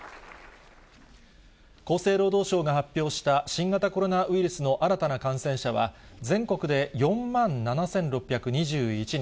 厚生労働省が発表した新型コロナウイルスの新たな感染者は、全国で４万７６２１人。